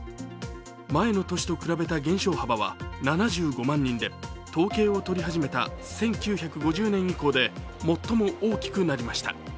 前の年と比べた減少幅は７５万人で統計を取り始めた１９５０年以降で最も大きくなりました。